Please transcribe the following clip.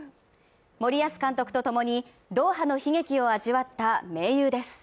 森保監督とともに、ドーハの悲劇を味わった、盟友です。